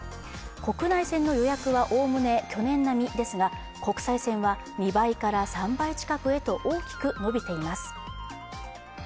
国内線の予約はおおむね去年並みですが、国際線は２倍から３倍近くへと大きく伸びています。